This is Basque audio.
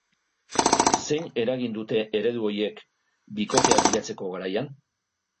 Zein eragin dute eredu horiek bikotea bilatzeko garaian?